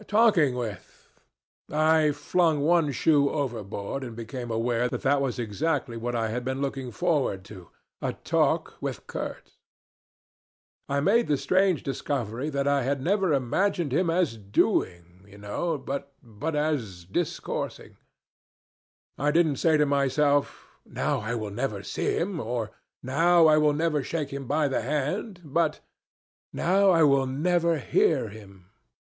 Talking with. ... I flung one shoe overboard, and became aware that that was exactly what I had been looking forward to a talk with Kurtz. I made the strange discovery that I had never imagined him as doing, you know, but as discoursing. I didn't say to myself, 'Now I will never see him,' or 'Now I will never shake him by the hand,' but, 'Now I will never hear him.'